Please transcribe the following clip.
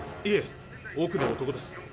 いえ奥の男です。